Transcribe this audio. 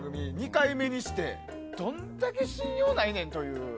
２回目にしてどんだけ信用ないねんという。